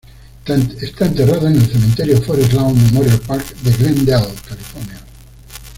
Está enterrada en el Cementerio Forest Lawn Memorial Park en Glendale, California.